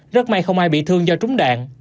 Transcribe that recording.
rất may không ai bị thương do trúng đạn